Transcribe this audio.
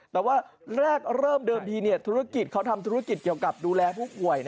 แต่ว่าแรกเริ่มเดิมทีธุรกิจเขาทำธุรกิจเกี่ยวกับดูแลผู้ป่วย